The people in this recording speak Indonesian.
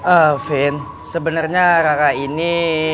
eh vin sebenernya rara ini